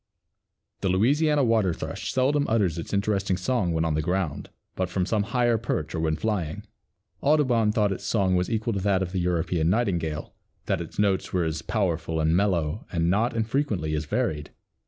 The Louisiana Water thrush seldom utters its interesting song when on the ground, but from some higher perch or when flying. Audubon thought its song was equal to that of the European nightingale; that its notes were as powerful and mellow and not infrequently as varied.